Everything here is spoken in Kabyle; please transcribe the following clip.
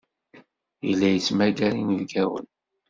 Yella yettmagar inebgawen.